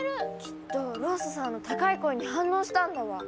きっとロッソさんの高い声に反応したんだわ！